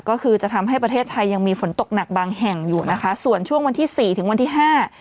ก็คือจะทำให้ประเทศไทยยังมีฝนตกหนักบางแห่งอยู่นะคะส่วนช่วงวันที่สี่ถึงวันที่ห้า